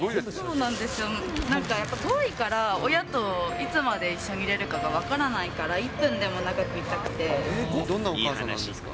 そうなんですよ、なんかやっぱり遠いから、親といつまで一緒にいれるかが分からないから、１分でも長くいたどんなお母さんなんですか。